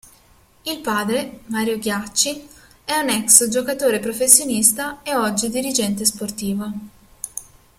Il padre, Mario Ghiacci, è un ex giocatore professionista e oggi dirigente sportivo.